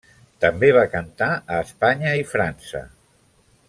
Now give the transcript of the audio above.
També va cantar a Espanya i França.